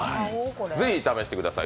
ぜひ試してください。